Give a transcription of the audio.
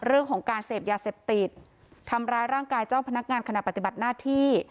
เรื่องของการเสพยาเสพติดทำร้ายร่างกายเจ้าพนักงานขณะปฏิบัติหน้าที่